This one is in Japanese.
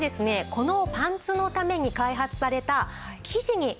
このパンツのために開発された生地にあるんです。